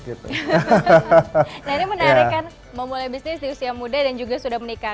nah ini menarik kan memulai bisnis di usia muda dan juga sudah menikah